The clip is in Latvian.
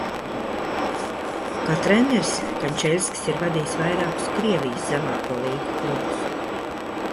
Kā treneris, Kančeļskis ir vadījis vairākus Krievijas zemāko līgu klubus.